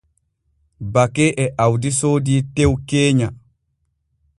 Bake e Awdi soodii tew keenya.